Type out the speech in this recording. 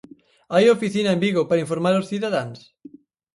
¿Hai oficina en Vigo para informar os cidadáns?